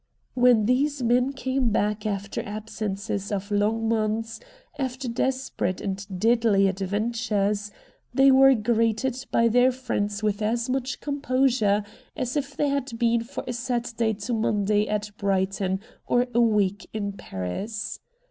When these men came back after absences of long months, after desperate and deadly adventures, they were greeted by their friends with as much composure as if they had been for a Saturday to Mond ay at Brighton or a week in Paris.